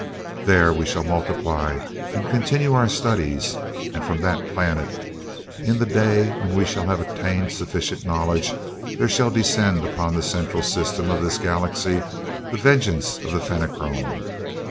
There we shall multiply and continue our studies; and from that planet, in that day when we shall have attained sufficient knowledge, there shall descend upon the Central System of this Galaxy the vengeance of the Fenachrone.